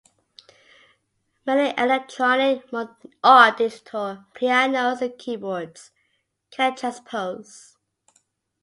Many electronic or digital pianos and keyboards can transpose.